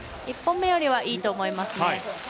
１本目よりかはいいと思いますね。